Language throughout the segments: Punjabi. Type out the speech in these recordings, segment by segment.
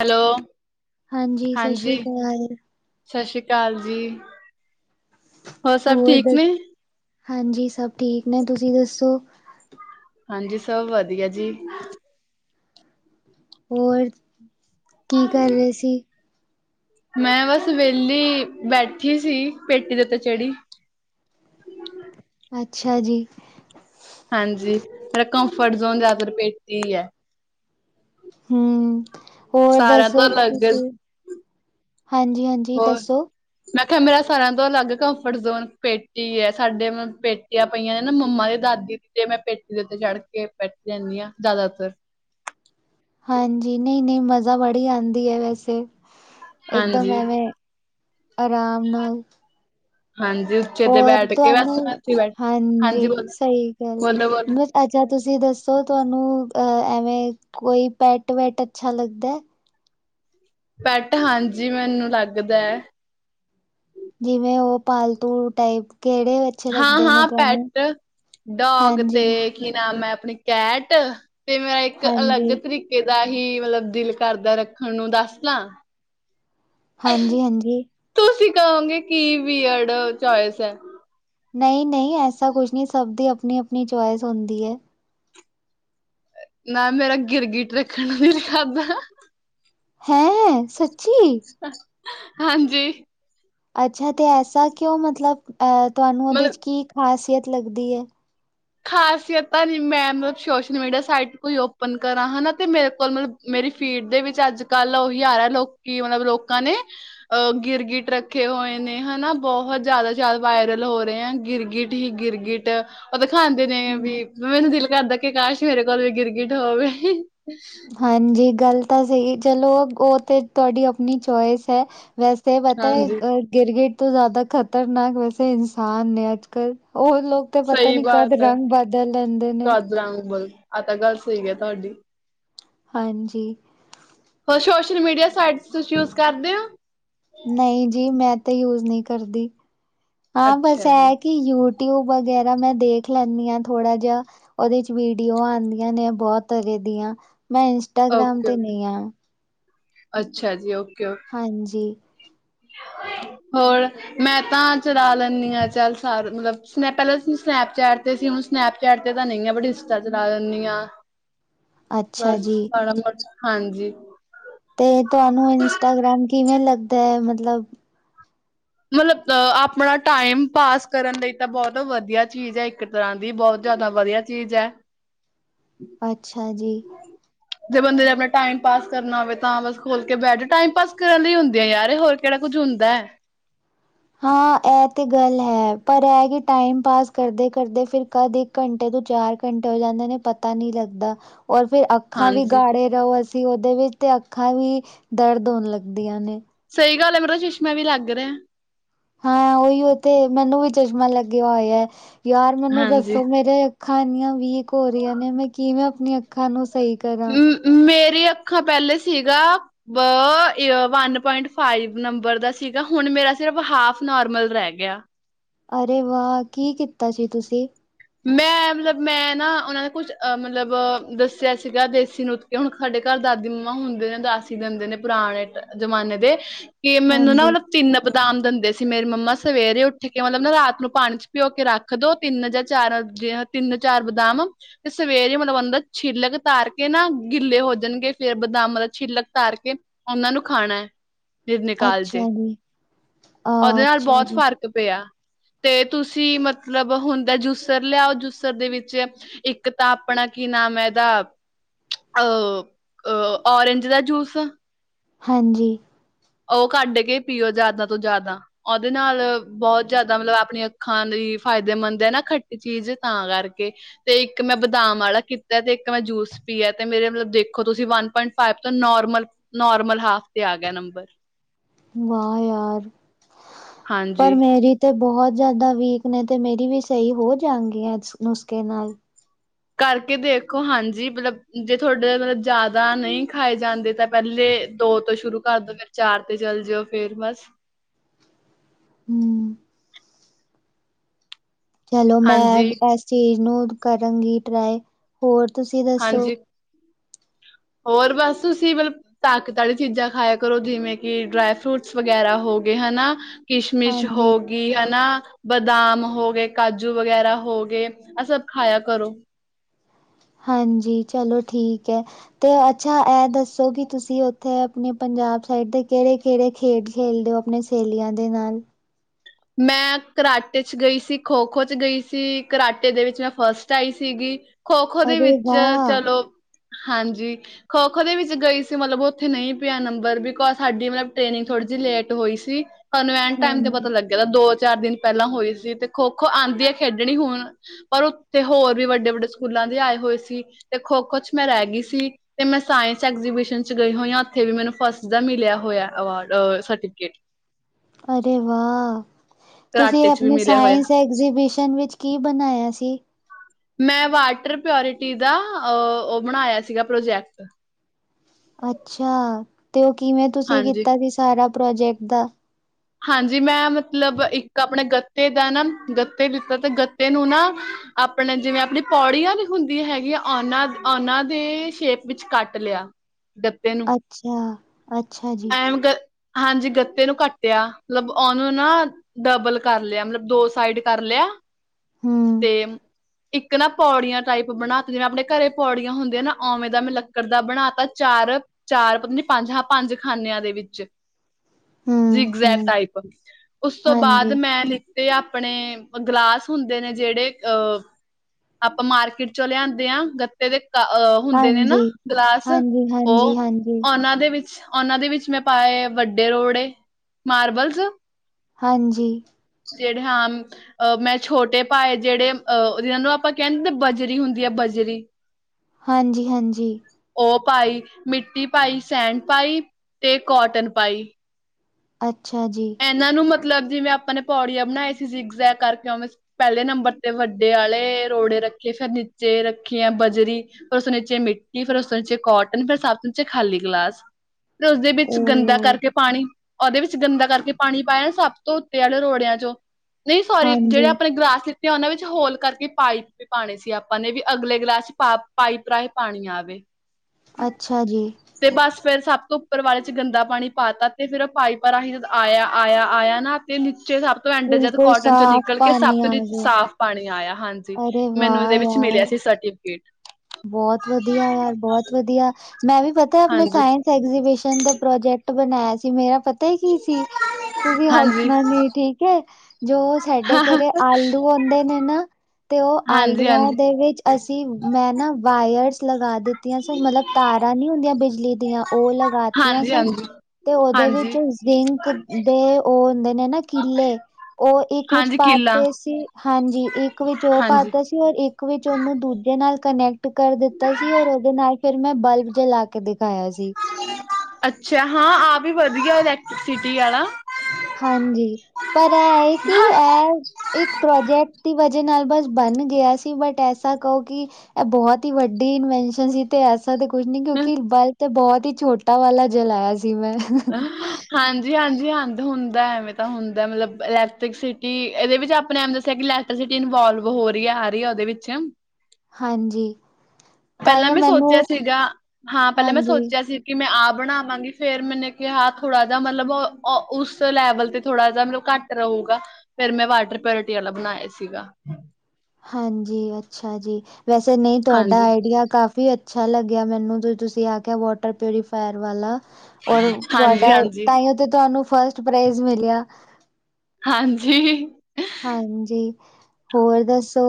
ਹੈਲੋ। ਹਾਂਜੀ, ਸਾਸ਼ਰੀ ਕਾਲ। ਸ਼ਾਸੀ ਕਾਲ ਜੀ। ਸਭ ਹੋਰ ਠੀਕ ਬ, ਨੇ ਹਾਂਜੀ ਸਭ ਠੀਕ ਨੇ। ਤੁਸੀਂ ਦੱਸੋ? ਹਾਂਜੀ, ਸਭ ਵਧੀਆ ਜੀ। ਹੋਰ, ਕੀ ਕਰ ਰਹੇ ਸੀ? ਮੈਂ ਬਸ, ਵਿਹਲੀ ਬੈਠੀ ਸੀ। ਪੇਟੀ ਦੇ ਉੱਤੇ ਚੜੀ। ਅੱਛਾ ਜੀ। ਹਾਂਜੀ, ਮੇਰਾ ਕੰਮਫਟ ਜ਼ੋਨ ਜ਼ਿਆਦਾਤਰ ਪੇਟੀ ਐ। ਹੂੰ, ਹੋਰ ਸਾਰਿਆਂ ਤੋਂ ਦੱਸੋ ਅਲੱਗ ਤੁਸੀਂ? ਹਾਂਜੀ-ਹਾਂਜੀ। ਹੋਰ। ਦੱਸੋ? ਮੈਂ ਕਿਹਾ ਮੇਰਾ ਸਾਰਿਆਂ ਤੋਂ ਅਲੱਗ ਕੰਮਫਟ ਜ਼ੋਨ ਪੇਟੀ ਐ। ਸਾਡੇ ਮਬ, ਪੇਟੀਆਂ ਪਈਆਂ ਨੇ ਨਾ, ਮੰਮਾ ਦੇ ਦਾਦੀ ਤੇ ਮੈਂ ਪੇਟੀ ਦੇ ਉੱਤੇ ਚੜ੍ਹ ਕੇ ਬੈਠੀ ਰਹਿੰਨੀ ਆ, ਜ਼ਿਆਦਾਤਰ। ਹਾਂਜੀ ਨਹੀਂ-ਨਹੀਂ, ਮਜ਼ਾ ਬੜੀ ਆਂਦੀ ਐ ਵੈਸੇ। ਇਕਦਮ ਹਾਂਜੀ ਐਵੇਂ ਆਰਾਾਮ ਨਾਲ ਹਾਂਜੀ। ਉੱਚੇ ਤੇ ਹੋਰ ਬੈਠ ਕੇ ਬਸ ਮੈਂ ਤੁਵਾਨੂੰ, ਉੱਥੇ ਬੈਠ ਹਾਂਜੀ, ਬੋਲੋ ਸਹੀ ਗੱਲ ਐ। ਬੋਲੋ ਬੋਲੋ ਮਤ ਅੱਛਾ ਤੁਸੀਂ ਦੱਸੋ? ਤੁਹਾਨੂੰ ਐਵੇਂ ਕੋਈ ਪੈਟ-ਵੈਟ ਅੱਛਾ ਲੱਗਦੈ। ਪੈਟ, ਹਾਂਜੀ ਮੈਨੂੰ ਲੱਗਦਾ ਐ। ਜਿਵੇਂ ਉਹ ਪਾਲਤੂ ਟਾਈਪ ਕਿਹੜੇ ਅੱਛੇ ਹਾਂ ਲੱਗਦੇ ਨੇ ਹਾਂ ਤੁਹਾਨੂੰ? ਪੈਟ ਡੋਗ ਹਾਂਜੀ, ਤੇ ਕੀ ਨਾਮ ਮੈਂ ਆਪਣੀ ਕੈਟ ਤੇ ਮੇਰਾ ਇੱਕ ਅਲੱਗ ਹਾਂਜੀ, ਤਰੀਕ ਕੇ ਦਾ ਹੀ ਮਤਲਬ ਦਿਲ ਕਰਦਾ ਰੱਖਣ ਨੂੰ ਦੱਸਦਾਂ ਹਾਂਜੀ ਹਾਂਜੀ ਤੁਸੀਂ ਕਹੋਂਗੇ ਕੀ ਬੀਅਰਡ ਚੋਆਇਸ ਹੈ ਨਹੀਂ ਨਹੀਂ ਐਸਾ ਕੁਛ ਨਹੀਂ ਸਭ ਦੀ ਆਪਣੀ ਆਪਣੀ ਚੁਆਇਸ ਹੁੰਦੀ ਹੈ ਨਾ ਮੇਰਾ ਗਿਰਗਿੱਟ ਰੱਖਣਾ ਕਦ ਦਾ ਹੈਂ ਸੱਚੀ ਹਾਂਜੀ ਅੱਛਾ ਤੇ ਐਸਾ ਕਿਉਂ ਮਤਲਬ ਅਹ ਤੈਨੂੰ ਉਹਦੇ ਮਤਲਬ ਚੱ ਕੀ ਖ਼ਾਸੀਅਤ ਲੱਗਦੀ ਹੈ ਖ਼ਾਸੀਅਤ ਤਾਂ ਜੀ ਮੈਂ ਮਤਲਬ ਸੋਸ਼ਲ ਮੀਡੀਆ ਸਾਈਟ ਕੋਈ ਓਪਨ ਕਰਾਂ ਹਨਾ ਤੇ ਮੇਰੇ ਕੋਲ ਮਤਲਬ ਮੇਰੀ ਫੀਡ ਦੇ ਵਿੱਚ ਅੱਜ ਕੱਲ ਉਹੀ ਆ ਰਿਹਾ ਲੋਕੀ ਮਤਲਬ ਲੋਕਾਂ ਨੇ ਅਹ ਗਿਰਗਿੱਟ ਰੱਖੇ ਹੋਏ ਨੇ ਹਨਾ ਬਹੁਤ ਜ਼ਿਆਦਾ ਜਿਆਦਾ ਵਾਇਰਲ ਹੋ ਰਹੇ ਆ ਗਿਰਗਿੱਟ ਹੀ ਗਿਰਗਿੱਟ ਉਹਦਾ ਖਾਂਦੇ ਨੇ ਹੂੰ, ਵੀ ਮੈਨੂੰ ਦਿਲ ਕਰਦਾ ਕਿ ਕਾਸ਼ ਮੇਰੇ ਕੋਲ ਵੀ ਗਿਰਗਿੱਟ ਹੋਵੇ ਹਾਂਜੀ ਗੱਲ ਤਾਂ ਸਹੀ ਚਲੋ ਉਹ ਤੇ ਤੁਹਾਡੀ ਆਪਣੀ ਚੋਆਇਸ ਹੈ ਵੈਸੇ ਇਹ ਪਤਾ ਏ ਹਾਂਜੀ ਅਹ ਗਿਰਗਿੱਟ ਤੋਂ ਜ਼ਿਆਦਾ ਖ਼ਤਰਨਾਕ ਵੈਸੇ ਇਨਸਾਨ ਨੇ ਅੱਜ ਕੱਲ ਉਹ ਲੋਕ ਤੇ ਪਤਾ ਸਹੀ ਨੀ ਕਦ ਰੰਗ ਬਦਲ ਲੈਂਦੇ ਨੇ ਗਾਮ ਬਲ [unintelligible] ਆ ਤਾਂ ਗੱਲ ਸਹੀ ਹੈ ਤੁਹਾਡੀ ਹਾਂਜੀ ਹੋਰ ਸੋਸ਼ਲ ਮੀਡੀਆ ਸਾਈਟ ਤੁਸੀਂ ਯੂਜ਼ ਕਰਦੇ ਹੋ ਨਹੀਂ ਜੀ ਮੈਂ ਤੇ ਯੂਜ ਨਹੀਂ ਕਰਦੀ ਹਾਂ ਬਸ ਅੱਛਾ ਜੀ ਇਹ ਕਿ ਯੂ ਟਿਊਬ ਵਗੈਰਾ ਮੈਂ ਦੇਖ ਲੈਂਦੀ ਹਾਂ ਥੋੜ੍ਹਾ ਜਿਹਾ ਉਹਦੇ ਚ ਵੀਡੀਓ ਆਉਂਦੀਆਂ ਨੇ ਬਹੁਤ ਤਰ੍ਹਾਂ ਦੀਆਂ ਮੈਂ ਇ ਓਕੇ ਓਕੇ ਅੱਛਾ ਜੀ ਓਕੇ ਓਕੇ ਹਾਂਜੀ ਹੋਰ [unintelligible] ਮੈਂ ਤਾਂ ਚਲਾ ਲੈਂਦੀ ਹਾਂ ਚੱਲ ਸਾਰ ਮਤਲਬ ਸਨੈ ਪਹਿਲਾਂ ਸਨੈਪਚੈਟ ਤੇ ਸੀ ਹੁਣ ਸਨੈਪਚੈਟ ਤੇ ਤਾਂ ਨਹੀਂ ਆ ਬਟ ਇੰਸਟਾ ਚਲਾ ਲੈਂਦੀ ਹਾਂ ਅੱਛਾ ਬਸ ਜੀ ਸਾ ਹਾਂਜੀ [unintelligible] ਤੇ ਤੁਹਾਨੂੰ ਇੰਸਟਾਗ੍ਰਾਮ ਕਿਵੇਂ ਲੱਗਦਾ ਹੈ ਮਤਲਬ ਮਤਲਬ ਅ ਆਪਣਾ ਟਾਈਮ ਪਾਸ ਕਰਨ ਲਈ ਤਾਂ ਬਹੁਤ ਵਧੀਆ ਚੀਜ਼ ਹੈ ਇੱਕ ਤਰ੍ਹਾਂ ਦੀ ਬਹੁਤ ਜ਼ਿਆਦਾ ਵਧੀਆ। ਚੀਜ਼ ਏ ਅੱਛਾ ਜੀ [inaudible] ਜੇ ਬੰਦੇ ਨੇ ਆਪਣਾ ਟਾਈਮ ਪਾਸ ਕਰਨਾ ਹੋਵੇ ਤਾਂ ਬਸ ਖੋਲ ਕੇ ਬੈਠ ਟਾਈਮ ਪਾਸ ਕਰਨ ਲਈ ਹੁੰਦੇ ਆ ਯਾਰ ਹੋਰ ਕਿਹੜਾ ਕੁੱਝ ਹੁੰਦਾ ਹਾਂ ਇਹ ਤੇ ਗੱਲ ਹੈ ਪਰ ਇਹ ਕਿ ਟਾਈਮ ਪਾਸ ਕਰਦੇ ਕਰਦੇ ਫਿਰ ਕਦ ਘੰਟੇ ਤੋਂ ਚਾਰ ਘੰਟੇ ਹੋ ਜਾਂਦੇ ਨੇ ਪਤਾ ਨੀ ਲੱਗਦਾ ਔਰ ਫਿਰ। ਅੱਖਾਂ ਵੀ ਹਾਂਜੀ ਗਾੜੇ ਰਹੋ ਅਸੀਂ ਉਹਦੇ ਵਿੱਚ ਤੇ ਅੱਖਾਂ ਵੀ ਦਰਦ ਹੋਣ ਲੱਗਦੀਆਂ ਨੇ ਸਹੀ ਗੱਲ ਹੈ ਮੇਰਾ ਚਸ਼ਮਾਂ ਵੀ ਲੱਗ ਰਿਹਾ ਹਾਂ ਉਹੀਓ ਤੇ ਮੈਨੂੰ ਵੀ ਚਸ਼ਮਾ ਲੱਗਿਆ ਹੋਇਆ ਯਾਰ ਮੈਨੂੰ ਹਾਂਜੀ। ਦੱਸੋ ਮੇਰੇ ਖਾਣੀਆਂ ਵੀਕ ਹੋ ਰਹੀਆਂ ਨੇ ਮੈਂ ਕਿਵੇਂ ਆਪਣੀਆਂ ਅੱਖਾਂ ਨੂੰ ਸਹੀ ਮ ਕਰਾਂ। ਮ ਮੇਰੀ ਅੱਖਾਂ ਪਹਿਲੇ ਸੀਗਾ ਬ ਈਅਰ ਵਨ ਪੁਆਇੰਟ ਫਾਈਵ ਨੰਬਰ ਦਾ ਸੀਗਾ ਹੁਣ ਮੇਰਾ ਸਿਰਫ ਹਾਫ ਨੋਰਮਲ ਰਹਿ ਗਿਆ। ਅਰੇ ਵਾਹ ਕੀ ਕੀਤਾ ਸੀ ਤੁਸੀਂ ਮੈਂ ਮਤਲਬ ਮੈਂ ਨਾ ਉਹਨਾਂ ਨੇ ਕੁਛ ਮਤਲਬ ਦੱਸਿਆ ਸੀਗਾ ਦੇਸੀ ਨੁਤ। ਹੁਣ ਸਾਡੇ ਘਰ ਦਾਦੀ ਮੰਮਾ ਹੁੰਦੇ ਨੇ ਦਸ ਹੀ ਦਿੰਦੇ ਨੇ ਪੁਰਾਣੇ ਜ਼ਮਾਨੇ ਦੇ। ਕਿ ਮੈਨੂੰ ਨਾ ਹਾਂਜੀ ਮਤ। ਤਿੰਨ ਬਦਾਮ ਦਿੰਦੇ ਸੀ ਮੇਰੀ ਮੰਮਾ ਸਵੇਰੇ ਉੱਠ ਕੇ ਮਤਲਬ ਨਾ ਰਾਤ ਨੂੰ ਪਾਣੀ 'ਚ ਪਿਓ ਕੇ ਰੱਖ ਦੋ ਤਿੰਨ ਜਾ। ਚਾਰਾ ਜਿਹਾ ਤਿੰਨ- ਚਾਰ ਬਦਾਮ। ਤੇ ਸਵੇਰੇ ਮਤਲਬ ਬੰਦਾ ਛਿੱਲਕ ਤਾਰ ਕੇ ਨਾ ਗਿੱਲੇ ਹੋ ਜਾਣਗੇ ਫਿਰ ਬਦਾਮ ਮਤਲਬ ਛਿੱਲਕ ਤਾਰ ਕੇ ਉਹਨਾਂ ਨੂੰ ਖਾਣਾ ਹੈ ਨਿਰਨਿਕਾਲ ਕੇ ਅੱਛਾ ਜੀ ਅ ਉਹਦੇ ਨਾਲ ਅੱਛਾ ਬਹੁਤ ਫ਼ਰਕ ਜੀ ਫਰਕ ਪਿਆ ਤੇ ਤੁਸੀਂ ਮਤਲਬ ਹੁਣ ਦਾ ਜੂਸ। ਜੂਸਰ ਲਿਆਓ ਜੁਸਰ ਦੇ ਵਿੱਚ ਇੱਕ ਤਾਂ ਆਪਣਾ ਕੀ ਨਾਮ ਹੈ ਇਹਦਾ। ਅਹ ਅ ਔਰੇਂਜ ਦਾ ਜੂਸ। ਹਾਂਜੀ। ਉਹ ਕਢ ਕੇ ਪੀਓ ਜਿਆਦਾ ਤੋਂ ਜਿਆਦਾ। ਉਹਦੇ ਨਾਲ ਬਹੁਤ ਜ਼ਿਆਦਾ ਮਤਲਬ ਆਪਣੀਆਂ ਅੱਖਾਂ ਲਈ ਫਾਇਦੇਮੰਦ ਹੈ ਖੱਟੀ ਚੀਜ਼ ਤਾਂ ਕਰਕੇ। ਤੇ ਇੱਕ ਮੈਂ ਬਦਾਮ ਵਾਲਾ ਕੀਤਾ ਤੇ ਇੱਕ ਮੈਂ ਜੂਸ ਪੀਆ ਤੇ ਮੇਰੇ ਵੱਲ ਦੇਖੋ ਤੁਸੀਂ ਵਨ ਪੁਆਇੰਟ। ਫਾਈਵ ਤੋਂ ਨੋਰਮਲ, ਨੋਰਮਲ ਹਾਫ ਤੇ ਆ ਗਿਆ ਨੰਬਰ। ਵਾਹ ਓ ਯਾਰ ਪਰ ਹਾਂਜੀ ਮੇਰੀ। ਤੇ ਬਹੁਤ ਜ਼ਿਆਦਾ ਵੀਕ ਨੇ ਤੇ ਮੇਰੀ ਵੀ ਸਹੀ ਹੋ ਜਾਣਗੀਆਂ ਇਸ ਨੁਸਖੇ ਨਾਲ। ਕਰਕੇ ਦੇਖੋ ਹਾਂਜੀ, ਮਤਲਬ ਜੇ ਤੁਹਾਡੇ ਮਤਲਬ ਜ਼ਿਆਦਾ ਨਹੀਂ ਖਾਏ ਜਾਂਦੇ ਤਾਂ। ਪਹਿਲੇ ਦੋ ਤੋਂ ਸ਼ੁਰੂ ਕਰ ਦੋ, ਫਿਰ ਚਾਰ ਤੇ ਚੱਲ ਜਾਓ ਫੇਰ ਬਸ। ਹੂੰ ਹੈਲੋ ਮੈਮ ਹਾਂਜੀ ਐਸ ਚੀਜ਼ ਨੂੰ ਕਰਾਂਗੀ ਟਰਾਈ ਹੋਰ ਤੁਸੀਂ ਦੱਸੋ। ਹਾਂਜੀ ਹੋਰ ਬਸ ਸਿਵਲ ਤਾਕਤ ਵਾਲੀ ਚੀਜ਼ਾਂ ਖਾਇਆ ਕਰੋ ਜਿਵੇਂ ਕਿ ਡਰਾਈ ਫਰੂਟਸ ਵਗੈਰਾ ਹੋ ਗਏ ਹਨਾ। ਕਿਸ਼ਮਿਸ਼ ਹੋ ਹਾਂਜੀ ਗ ਕਿ ਹਨਾ ਬਦਾਮ ਹੋ ਗਏ ਕਾਜੂ ਵਗੈਰਾ ਹੋ ਗਏ ਆਹ ਸਭ ਖਾਇਆ ਕਰੋ। ਹਾਂਜੀ ਚਲੋ ਠੀਕ ਐ। ਤੇ ਅੱਛਾ, ਐਹ ਦੱਸੋ ਕਿ ਤੁਸੀਂ ਉੱਥੇ ਆਪਣੇ ਪੰਜਾਬ ਸਾਈਡ ਦੇ ਕਿਹੜੇ ਕਿਹੜੇ ਖੇਲ ਖੇਡਦੇ ਹੋ, ਆਪਣੇ ਸਹੇਲੀਆਂ ਦੇ ਨਾਲ? ਮੈਂ ਕਰਾਟੇ 'ਚ ਗਈ ਸੀ, ਖੋ-ਖੋ 'ਚ ਗਈ ਸੀ, ਕਰਾਟੇ ਦੇ ਵਿੱਚ ਮੈਂ ਫਸਟ ਆਈ ਸੀਗੀ। ਖੋ-ਖੋ ਦੇ ਅਰੇ ਵਿੱਚ, ਵਾਹ ਚਲੋ, ਹਾਂਜੀ ਖੋ- ਖੋ ਦੇ ਵਿੱਚ ਗਈ ਸੀ ਮਤਲਬ ਉਥੇ ਨਹੀਂ ਪਿਆ ਨੰਬਰ, ਬਿਕੋਜ ਸਾਡੀ ਮਤਲਬ ਟ੍ਰੇਨਿੰਗ ਥੋੜੀ ਜਿਹੀ ਲੇਟ ਹੋਈ ਸੀ। ਸਾਨੂੰ ਐਂਨ ਟਾਈਮ ਤੇ ਹਾਂਜੀ ਪਤਾ ਲੱਗਿਆ ਦੋ- ਚਾਰ ਦਿਨ ਪਹਿਲਾਂ ਹੋਈ ਸੀ ਤੇ ਖੋ- ਖੋ ਆਂਦੀ ਹੈ ਖੇਡਣੀ ਹੁਣ। ਪਰ ਉੱਥੇ ਹੋਰ ਵੀ ਵੱਡੇ- ਵੱਡੇ ਸਕੂਲਾਂ ਦੇ ਆਏ ਹੋਏ ਸੀ, ਤੇ ਖੋ- ਖੋ ਵਿੱਚ ਮੈਂ ਰਹਿ ਗਈ ਸੀ। ਤੇ ਮੈਂ ਸਾਇੰਸ ਐਗਜੀਬਿਸ਼ਨ 'ਚ ਗਈ ਹੋਈ ਹਾਂ ਉੱਥੇ ਵੀ ਮੈਨੂੰ ਫਸਟ ਦਾ ਮਿਲਿਆ ਹੋਇਆ ਆਵਾਰਡ ਸਰਟੀਫਿਕੇਟ। ਅਰੇ ਵਾਹ। ਤੁਸੀਂ ਕਰਾਟੇ ਚ ਵੀ ਆਪਣੇ ਮਿਲਿਆ ਹੋਇਆ। ਸਾਇੰਸ ਐਗਜੀਬਿਸ਼ਨ ਵਿਚ ਕੀ ਬਣਾਇਆ ਸੀ। ਮੈਂ ਵਾਟਰ ਪਿਉਰਿਟੀ ਦਾ ਓ ਉਹ ਬਣਾਇਆ ਸੀਗਾ ਪ੍ਰੋਜੈਕਟ। ਅੱਛਾ ਤੇ ਉਹ ਕਿਵੇਂ ਤੁਸੀਂ ਹਾਂਜੀ। ਕੀਤਾ ਸੀ ਸਾਰਾ ਪ੍ਰੋਜੈਕਟ ਦਾ। ਹਾਂਜੀ ਮੈਂ ਮਤਲਬ ਇੱਕ ਆਪਣੇ ਗੱਤੇ ਦਾ ਨਾ ਗੱਤੇ ਦਿੱਤਾ ਤੇ ਗੱਤ ਗੱਤੇ ਨੂੰ ਨਾ ਆਪਣਾ ਜਿਵੇਂ ਆਪਣੀ ਪੌੜੀਆਂ ਨਹੀਂ ਹੁੰਦੀਆਂ ਹੈਗੀਆਂ ਉਹਨਾਂ, ਉਹਨਾਂ ਦੇ ਸ਼ੇਪ, ਵਿੱਚ ਕੱਟ ਲਿਆ। ਗਤ ਨੂੰ ਅੱਛਾ, ਅੱਛਾ ਜੀ ਐਮ ਗ ਹਾਂਜੀ ਗੱਤੇ ਨੂੰ ਕਟ ਕਿਆ ਮਤਲਬ ਉਹਨੂੰ ਨਾ ਡਬਲ ਕਰ ਲਿਆ,। ਮਤਲਬ ਦੋ ਸਾਈਡ ਕਰ ਲਿਆ। ਹੂੰ, ਤੇ ਇੱਕ ਨਾ ਪੌੜੀਆਂ ਟਾਈਪ ਬਣਾ ਤ, ਜਿਵੇਂ ਆਪਣੇ ਘਰੇ ਪੌੜੀਆਂ ਹੁੰਦੀਆਂ ਨਾ ਉਵੇਂ ਦਾ ਮੈਂ ਲੱਕੜ ਦਾ ਬਣਾ ਤਾ ਚਾਰ। ਚਾਰ ਪਤਾ ਨੀ ਪੰਜ, ਹਾਂ ਪੰਜ ਖਾਨਿਆਂ ਦੇ ਵਿੱਚ। ਹੂੰ, ਜਿਗਜ਼ੈਕਟ ਹੂੰ ਟਾਈਪ, ਉਸ ਤੋਂ ਬਾਅਦ ਹਾਂਜੀ, ਮੈਂ ਤੇ ਆਪਣੇ ਗਲਾਸ ਹੁੰਦੇ ਨੇ ਜਿਹੜੇ ਅਹ ਆਪਾਂ ਮਾਰਕੀਟ ਚੋਂ ਲਿਆਂਦੇ ਹਾਂ, ਗੱਤੇ ਦੇ ਤ ਅ ਹੁੰਦੇ ਨੇ ਨਾ ਹਾਂਜੀ। ਗਿਲਾਸ ਹਾਂਜੀ, ਉਹ, ਹਾਂਜੀ, ਹਾਂਜੀ, ਉਹਨਾਂ ਦੇ ਵਿੱਚ ਉਹਨਾਂ ਦੇ ਵਿੱਚ ਮੈਂ ਪਾਏ ਵੱਡੇ ਰੋੜੇ ਮਾਰਬਲਸ ਹਾਂਜੀ। ਜਿਹੜੇ ਹਾਂ। ਅਹ ਮੈਂ ਛੋਟੇ ਪਾਏ, ਜਿਹੜੇ ਅਹ ਜਿਹਨਾਂ ਨੂੰ ਆਪਾਂ ਕਹਿੰਦੇ ਹਾਂ ਨਾ ਬਜਰੀ ਹੁੰਦੀ ਆ ਬਜਰੀ। ਹਾਂਜੀ। ਹਾਂਜੀ-ਹਾਂਜੀ। ਉਹ ਪਾਈ ਮਿੱਟੀ ਪਾਈ, ਸੈਂਟ ਪਾਈ, ਤੇ ਕੋਟਨ ਪਾਈ। ਅੱਛਾ ਜੀ। ਇਹਨਾਂ ਨੂੰ ਮਤਲਬ ਜਿਵੇਂ ਆਪਾਂ ਨੇ ਪੌੜੀਆਂ ਬਣਾਏ ਸੀ ਜਿਗਜ਼ ਕਰਕੇ ਓਵੇਂ। ਪਹਿਲੇ ਨੰਬਰ ਤੇ ਵੱਡੇ ਆਲੇ ਰੋੜੇ ਰੱਖੇ, ਫੇਰ ਨੀਚੇ ਰੱਖੀ ਆ ਬਜਰੀ। ਫਿਰ ਉਸ ਦੇ ਨੀਚੇ ਮਿੱਟੀ, ਫੇਰ ਉਸ ਦੇ ਨੀਚੇ ਕੋਟਨ, ਫੇਰ ਸਭ ਤੋਂ ਨੀਚੇ ਖਾਲੀ ਗਲਾਸ। ਤੇ ਉਸਦੇ ਓ ਵਿੱਚ ਗੰਦਾ ਕਰਕੇ ਪਾਣੀ, ਉਹਦੇ ਵਿੱਚ ਗੰਦਾ ਕਰਕੇ। ਪਾਣੀ ਪਾਇਆ ਨਾ ਸਭ ਤੋਂ ਉੱਤੇ ਵਾਲੇ ਰੋੜਿਆਂ ਚੋਂ, ਨਹੀਂ ਸੋਰੀ ਹਾਂਜੀ, ਜਿਹੜੇ ਆਪਣੇ ਗਲਾਸ। ਤੇ ਉਹਨਾਂ ਵਿੱਚ ਹੋਲ ਕਰਕੇ ਪਾਈਪ। ਵੀ ਪਾਣੇ ਸੀ ਆਪਾਂ ਨੇ ਵੀ ਅਗਲੇ ਗਲਾਸ ਚ ਪਾ ਪਾਈਪ ਰਾਹੀਂ ਪਾਣੀ ਆਵੇ। ਅੱਛਾ ਜੀ। ਤੇ ਬਸ ਫੇਰ ਸਭ ਤੋਂ ਉੱਪਰ ਵਾਲੇ ਚ ਗੰਦਾ ਪਾਣੀ ਪਾ ਤਾ ਤੇ ਫੇਰ ਪਾਈਪ ਰਾਹੀਂ ਆਇਆ ਆਇਆ ਆਇਆ ਨਾ। ਤੇ ਨੀਚੇ ਸੱਭ ਤੋਂ ਐਂਡ ਜਦ ਬਿਲਕੁਲ ਕੋਟਨ ਚੋਂ ਸਾਫ਼ ਨਿਕਲ ਕੇ ਪਾਣੀ ਸਭ ਆ ਲਈ ਗਿਆ, ਸਾਫ਼ ਪਾਣੀ ਆਇਆ, ਹਾਂਜੀ। ਅਰੇ ਮੈਨੂੰ ਵਾਹ ਇਹਦੇ ਵਿੱਚ ਮਿਲਿਆ ਯਾਰ! ਸੀ ਸਰਟੀਫਿਕੇਟ। ਬਹੁਤ ਵਧੀਆ ਯਾਰ ਬਹੁਤ ਵਧੀਆ ਮੈਂ ਵੀ ਪਤਾ ਆਪਣੇ ਹਾਂਜੀ ਸਾਇੰਸ ਐਗਜੀਬਿਸ਼ਨ ਦੇ ਪ੍ਰੋਜੈਕਟ ਬਣਾਇਆ ਸੀ ਮੇਰਾ ਪਤਾ ਹੀ ਕੀ ਸੀ ਤੂੰ ਵੀ ਹਾਂਜੀ ਹੱਸਣਾ ਨਹੀਂ, ਠੀਕ ਹੈ, ਜੋ ਸਾਡੇ ਹਾਂ ਹਾਂ ਘਰੇ ਆਲੂ ਆਉਂਦੇ ਨੇ ਨਾ ਤੇ ਉਹ ਹਾਂਜੀ ਆਲੂਆਂ ਹਾਂਜੀ ਦੇ ਵਿੱਚ ਅਸੀਂ ਮੈਂ ਨਾ ਵਾਇਰਸ ਲਗਾ ਦਿੱਤੀਆਂ ਸੀ, ਮਤਲਬ ਤਾਰਾਂ ਨਹੀਂ ਹੁੰਦੀਆਂ ਬਿਜਲੀ ਦੀਆਂ ਉਹ ਲਗਾਤੀਆਂ ਹਾਂਜੀ ਸਨ। ਹਾਂਜੀ ਤੇ ਉਹਦੇ ਵਿੱਚ ਹਾਂਜੀ ਜ਼ਿੰਕ ਦੇ ਉਹ ਹੁੰਦੇ ਨੇ ਨਾ ਕਿਲੇ ਉਹ ਇੱਕ ਵਿੱਚ ਹਾਂਜੀ ਕਿੱਲਾ ਪਾਤੇ ਸੀ, ਹਾਂਜੀ ਇੱਕ ਵਿੱਚ ਉਹ ਹਾਂਜੀ ਪਾਤਾ ਸੀ। ਔਰ ਇੱਕ ਵਿੱਚ ਉਹਨੂੰ ਦੂਜੇ ਨਾਲ ਕਨੈਕਟ ਕਰ ਦਿੱਤਾ ਸੀ, ਔਰ ਉਹਦੇ ਨਾਲ ਫੇਰ ਮੈਂ ਬਲਬ ਜਲਾ ਕੇ ਦਿਖਾਇਆ ਸੀ। ਅੱਛਾ ਹਾਂ, ਆ ਵੀ ਵਧੀਆ ਇਲੈਕਟ੍ਰਸਿਟੀ ਆ ਨਾ। ਹਾਂਜੀ, ਪਰ ਇਹ ਹੈ ਕਿ ਇਹ ਇੱਕ ਪ੍ਰੋਜੈਕਟ ਦੀ ਵਜ੍ਹਾ ਨਾਲ ਬਸ ਬਣ ਗਿਆ ਸੀ, ਬਟ ਐਸਾ ਕਹੋ ਕਿ ਇਹ ਬਹੁਤ ਹੀ ਵੱਡੀ ਇਨਵੈਨਸ਼ਨ ਸੀ ਤੇ ਐ ਤੇ ਕੁੱਝ ਨੀ, ਕਿਉਂਕਿ ਬਲ ਤੇ ਬਹੁਤ ਹੀ ਛੋਟਾ ਵਾਲਾ ਜਲਾਇਆ ਸੀ ਮੈਂ। ਅ। ਹਾਂਜੀ-ਹਾਂਜੀ ਹੁੰਦਾ, ਐਵੇਂ ਤਾਂ ਹੁੰਦਾ, ਮਤਲਬ ਇਲੈਕਟਿਕਸਿਟੀ ਇਹਦੇ ਵਿੱਚ ਆਪਣਾ ਐਮ ਦੱਸਿਆ ਕਿ ਇ ਇਨਵੋਲਵ ਹੋ ਰੀ ਐ। ਆਰੀ ਐ ਓਦੇ ਵਿੱਚ। ਹਾਂਜੀ। ਪੈਲਾਂ ਤਾਂਹੀਓ ਮੈਂ ਮੈਨੂੰ ਸੋਚੇਆ ਸੀਗਾ ਹਾਂ ਪੈਲੇ ਮੈਂ ਹਾਂਜੀ ਸੋਚੇਆ ਸੀ ਕਿ ਮੈਂ ਆ ਬਣਾਵਾਂਗੀ ਫੇਰ ਮੈਨੇ ਕੇਆ ਥੋੜਾ ਜਾ ਮਲਬ ਉਸ ਲੈਵਲ ਤੇ ਥੋੜਾ ਜਾ ਮਲਬ ਘੱਟ ਰਊਗਾ। ਫੇਰ ਮੈਂ ਵਾਟਰ ਪਿਓਰਟੀ ਆਲਾ ਬਣਾਏਆ ਸੀਗਾ। ਹਾਂਜੀ, ਅੱਛਾ ਜੀ। ਵੈਸੇ ਨਹੈ ਤੁਆਡਾ ਹਾਂਜੀ ਆਈਡੀਆ ਕਾਫੀ ਅੱਛਾ ਲੱਗੇਆ ਮੈਨੂੰ। ਤੁ ਤੁਸੀ ਆਖੇਆ ਵੋਟਰ ਪਿਊਰੀਫਾਇਰ ਵਾਲਾ। ਔਰ ਹਾਂਜੀ ਤੁਆਡਾ ਹਾਂਜੀ ਤਾਈਓ ਤੇ ਤੁਆਨੂੰ ਫਸਟ ਪ੍ਰਾਈਜ਼ ਮਿਲਿਆ। ਹਾਂਜੀ। ਹਾਂਜੀ, ਹੋਰ ਦੱਸੋ।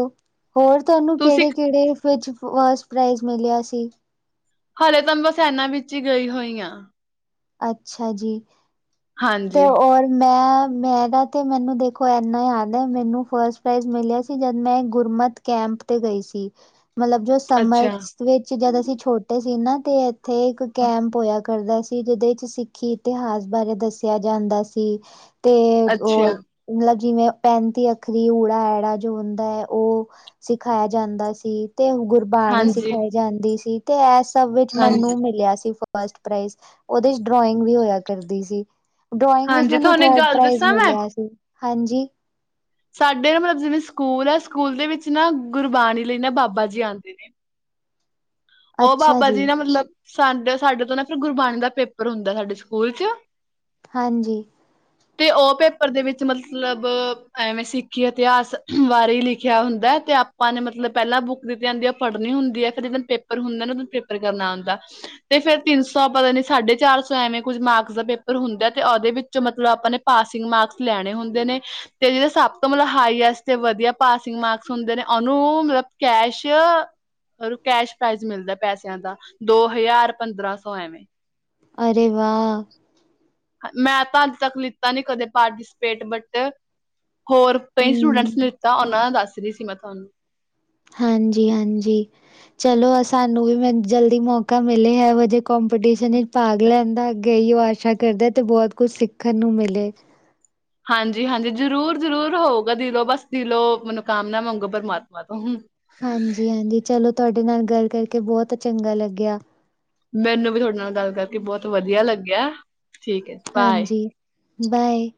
ਹੋਰ ਤੁਆਨੂੰ ਤੁਸੀਂ ਕੇੜੇ ਕੇੜੇ ਵਿਚ ਫਸਟ ਪ੍ਰਾਈਜ਼ ਮਿਲਿਆ ਸੀ। ਹਾਲੇ ਤਾਂ ਮੈ ਬਸ ਐਨਾ ਵਿੱਚ ਈ ਗਈ ਹੋਈ ਆਂ। ਅੱਛਾ ਜੀ। ਤੋ ਹਾਂਜੀ ਔਰ ਮੈਂ ਮੈਂ ਦਾ ਤੇ ਮੈਨੂੰ ਦੇਖੋ ਏਨਾ ਯਾਦ ਐ, ਮੈਨੂੰ ਫਸਟ ਪ੍ਰਾਈਜ਼ ਮਿਲਿਆ ਸੀ ਜਦ ਮੈਂ ਗੁਰਮਤਿ ਕੈਂਪ ਤੇ ਗਈ ਸੀ। ਮਲਬ ਜਸ ਅੱਛਾ ਸਮਰਸ ਵਿੱਚ ਜਦ ਅਸੀ ਛੋਟੇ ਸੀ ਨਾ ਤੇ ਏਥੇ ਇੱਕ ਕੈਂਪ ਹੋਏਆ ਕਰਦਾ ਸੀ। ਇਦੇ ਚ ਸਿੱਖੀ ਇਤਿਹਾਸ ਬਾਰੇ ਦੱਸੇਆ ਜਾਂਦਾ ਸੀ ਤੇ ਅੱਛਾ ਓਰ ਮਲਬ ਜਿਵੇਂ ਪੈਂਤੀ ਅੱਖਰੀ ਊੜਾ ਐੜਾ ਜੋ ਹੁੰਦਾ ਐ ਓ ਸਿਖਾਏਆ ਜਾਂਦਾ ਸੀ। ਤੇ ਗੁਰ ਬਾਣੀ ਹਾਂਜੀ ਸਿਖਾਈ ਜਾਂਦੀ ਸੀ। ਤੇ ਐ ਸਭ ਵਿੱਚ ਹਾਂਜੀ ਮੈਨੂੰ ਮਿਲੇਆ ਸੀ ਫਸਟ ਪ੍ਰਾਈਜ਼। ਓਦੇ ਚ ਡ੍ਰੋਇੰਗ ਵੀ ਹੋਏਆ ਕਰਦੀ ਸੀ। ਡ੍ਰੋਇੰਗ ਵਿਚ ਹਾਂਜੀ ਮੈਨੂੰ ਤੁਹਾਨੂੰ ਇੱਕ ਥਰਡ ਗੱਲ ਪ੍ਰਾਈਜ਼ ਦੱਸਾਂ ਮੈਂ ਮਿਲੇਆ ਸੀ। ਹਾਂਜੀ। ਸਾਡੇ ਨਾ ਮਲਬ ਜਿਵੇਂ ਸਕੂਲ ਆ ਸਕੂਲ ਦੇ ਵਿੱਚ ਨਾ ਗੁਰਬਾਣੀ ਲਈ ਨਾ ਬਾਬਾ ਜੀ ਆਂਦੇ ਨੇ। ਓ ਬਾਬਾ ਜੀ ਨਾ ਮਲਬ ਸਾਡੇ ਸਾਡੇ ਤੋਂ ਨਾ ਫਿਰ ਗੁਰਬਾਣੀ ਦਾ ਪੇਪਰ ਹੁੰਦਾ ਸਾਡੇ ਸਕੂਲ ਚ। ਹਾਂਜੀ। ਤੇ ਓ ਪੇਪਰ ਦੇ ਵਿੱਚ ਮਤਲਬ ਐਵੇਂ ਸਿੱਖੀ ਇਤਿਹਾਸ ਬਾਰੇ ਈ ਲਿਖੇਆ ਹੁੰਦਾ ਐ ਤੇ ਆਪ ਆਪਾਂ ਨੇ ਮਤਲਬ ਪੈਲਾਂ ਬੁੱਕ ਦੀਤੀ ਹੁੰਦੀ ਐ ਪੜ੍ਹਨੀ ਹੁੰਦੀ ਐ। ਫਿਰ ਜਿਦਨ ਪੇਪਰ ਹੁੰਦਾ ਨਾ ਉਦਨ ਪੇਪਰ ਕਰਨਾ ਹੁੰਦਾ। ਤੇ ਫੇਰ ਤਿੰਨ ਸੌ ਪਤਾ ਨੀ ਸਾਢੇ ਚਾਰ ਸੌ ਐਵੇਂ ਕੁਝ ਮਾਰਕਸ ਦਾ ਪੇਪਰ ਹੁੰਦਾ ਐ ਤੇ ਓਦੇ ਵਿੱਚੋ ਮਤਲਬ ਆਪਾਂ ਨੇ ਪਾਸਿੰਗ ਮਾਰਕਸ ਲੈਣੇ ਹੁੰਦੇ ਨੇ। ਤੇ ਜੇੜੇ ਸਭ ਤੋਂ ਮਤਲਬ ਹਾਈਐਸਟ ਤੇ ਵਧੀਆ ਪਾਸਿੰਗ ਮਾਰਕਸ ਹੁੰਦੇ ਨੇ ਓਨੂੰ ਮਲਬ ਕੈਸ਼ ਰ ਕੈਸ਼ ਪ੍ਰਾਈਜ਼ ਮਿਲਦਾ ਐ ਪੈਸੇਆਂ ਦਾ। ਦੋ ਹਜ਼ਾਰ ਪੰਦਰਾਂ ਸੌ ਐਵੇਂ। ਅਰੇ ਵਾ। ਮੈਂ ਤਾਂ ਅੱਜ ਤੱਕ ਲਿੱਤਾ ਨੀ ਕਦੇ ਪਾਰਟੀਸਪੇਟ ਬਟ ਹੋਰ ਕਈ ਸਟੂਡੈਂਟਸ ਨੇ ਹੂੰ, ਦਿੱਤਾ ਓਨਾਂ ਦਾ ਦੱਸ ਰੀ ਸੀ ਮੈਂ ਤੁਆਨੂੰ। ਹਾਂਜੀ ਹਾਂਜੀ। ਚਲੋ ਸਾਨੂੰ ਵੀ ਮੈ ਜਲਦੀ ਮੌਕਾ ਮਿਲੇ ਐਹੋ ਜੇ ਕੋਂਪੀਟੀਸ਼ਨ ਇਚ ਭਾਗ ਲੈਨ ਦਾ। ਅੱਗੇ ਐਈ ਓ ਆਸ਼ਾ ਕਰਦੇ ਤੇ ਬੋਤ ਕੁਛ ਸਿੱਖਨ ਨੂੰ ਮਿਲੇ। ਹਾਂਜੀ ਹਾਂਜੀ, ਜਰੂਰ ਜਰੂਰ ਹੋਊਗਾ ਦਿਲੋ ਬਸ ਦਿਲੋ ਮਨੋਕਾਮਨਾ ਮੰਗੋ ਪ੍ਰਮਾਤਮਾ ਤੋਂ। ਹਾਂਜੀ ਹਾਂਜੀ, ਚਲੋ ਤਾਡੇ ਨਾਲ ਗੱਲ ਕਰਕੇ ਬੋਤ ਚੰਗਾ ਲੱਗੇਆ। ਮੈਨੂੰ ਵੀ ਤੁਆਡੇ ਨਾਲ ਗੱਲ ਕਰਕੇ ਬੋਤ ਵਧੀਆ ਲੱਗੇਆ ਠੀਕ ਐ। ਹਾਂਜੀ, ਬਾਏ।